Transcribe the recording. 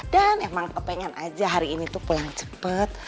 dan emang kepengen aja hari ini tuh pulang cepet